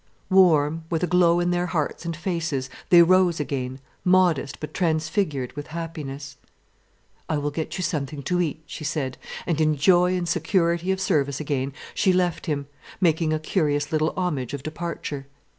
Warm, with a glow in their hearts and faces, they rose again, modest, but transfigured with happiness. "I will get you something to eat," she said, and in joy and security of service again, she left him, making a curious little homage of departure.